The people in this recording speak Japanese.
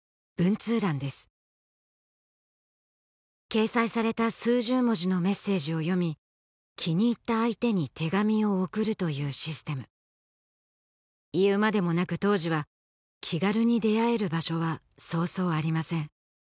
掲載された数十文字のメッセージを読み気に入った相手に手紙を送るというシステムいうまでもなく当時は気軽に出会える場所はそうそうありません